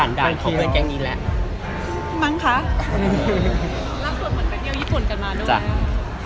รักส่วนเหมือนกันเดียวญี่ปุ่นกันมาด้วยนะ